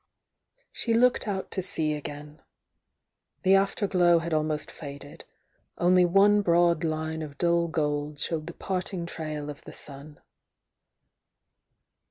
She looked out to sea again. The after glow had aJmost faded; only one broad line of dull gold showed the parting trail of the sun.